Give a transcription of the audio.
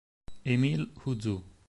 Émile Ouzou